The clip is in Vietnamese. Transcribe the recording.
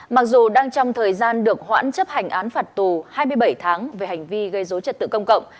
mặc dù đang trong thời gian được hoãn chấp hành án phạt tù hai mươi bảy tháng về hành vi gây dối trật tự công cộng